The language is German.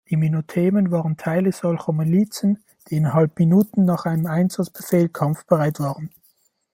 Die Minutemen waren Teile solcher Milizen, die innerhalb Minuten nach einem Einsatzbefehl kampfbereit waren.